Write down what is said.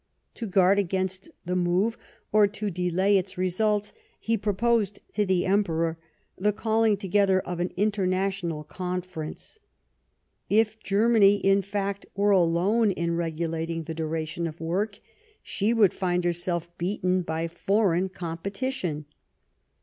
To guard against the move, or to delay its results, he proposed to the Emperor the calling together of an International Conference. If Ger many, in fact, were alone in regulating the duration of work, she would find herself beaten by foreign competition.